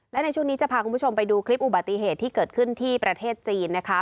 และในช่วงนี้จะพาคุณผู้ชมไปดูคลิปอุบัติเหตุที่เกิดขึ้นที่ประเทศจีนนะคะ